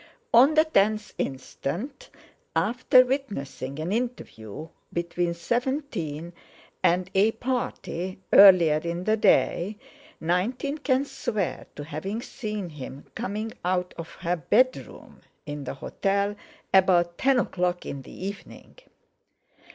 "On the 10th instant, after witnessing an interview between 17 and a party, earlier in the day, 19 can swear to having seen him coming out of her bedroom in the hotel about ten o'clock in the evening.